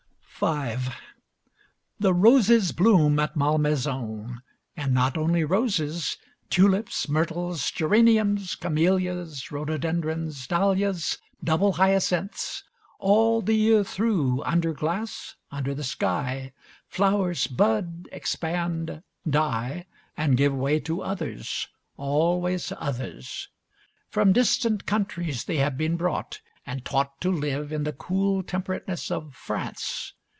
V The roses bloom at Malmaison. And not only roses. Tulips, myrtles, geraniums, camelias, rhododendrons, dahlias, double hyacinths. All the year through, under glass, under the sky, flowers bud, expand, die, and give way to others, always others. From distant countries they have been brought, and taught to live in the cool temperateness of France.